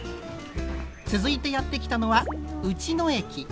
続いてやって来たのは内野駅。